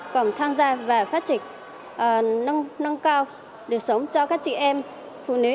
còn tham gia và phát trịch nâng cao đường sống cho các chị em phụ nữ